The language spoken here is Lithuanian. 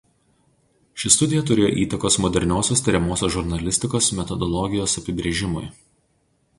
Ši studija turėjo įtakos moderniosios tiriamosios žurnalistikos metodologijos apibrėžimui.